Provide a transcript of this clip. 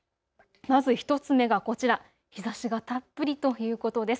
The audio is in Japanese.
まず１つ目がこちら、日ざしがたっぷりということです。